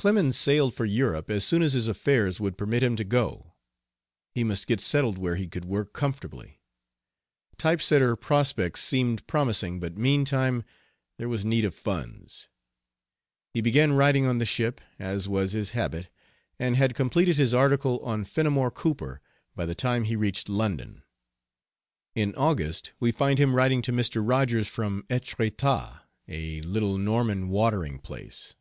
Clemens sailed for Europe as soon as his affairs would permit him to go. He must get settled where he could work comfortably. Type setter prospects seemed promising, but meantime there was need of funds. He began writing on the ship, as was his habit, and had completed his article on Fenimore Cooper by the time he reached London. In August we find him writing to Mr. Rogers from Etretat, a little Norman watering place.